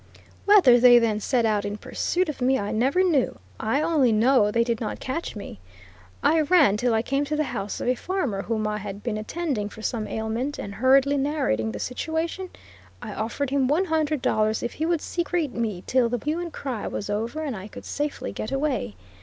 Whether they than set out in pursuit of me I never knew, I only know they did not catch me. I ran till I came to the house of a farmer whom I had been attending for some ailment, and hurriedly narrating the situation, I offered him one hundred dollars if he would secrete me till the hue and cry was over and I could safely get away.